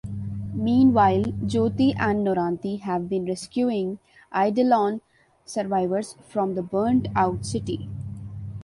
Meanwhile, Jothee and Noranti have been rescuing Eidelon survivors from the burnt-out city.